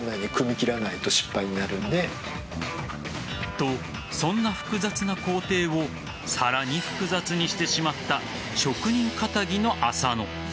と、そんな複雑な工程をさらに複雑にしてしまった職人かたぎの浅野。